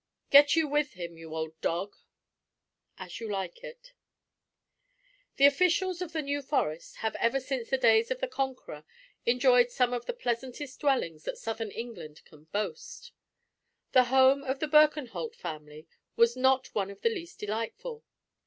"Get you with him, you old dog." As You Like It. The officials of the New Forest have ever since the days of the Conqueror enjoyed some of the pleasantest dwellings that southern England can boast. The home of the Birkenholt family was not one of the least delightful.